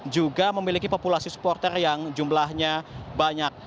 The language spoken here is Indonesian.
juga memiliki populasi supporter yang jumlahnya banyak